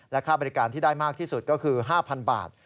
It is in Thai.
ค่าบริการที่ได้มากที่สุดก็คือ๕๐๐บาท